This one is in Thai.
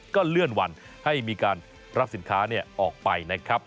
ก็เลื่อนวันให้มีการรับสินค้าออกไปนะครับ